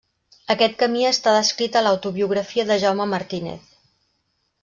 Aquest camí està descrit a l'autobiografia de Jaume Martínez.